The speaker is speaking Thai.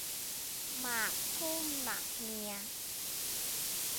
หมากผู้หมากเมีย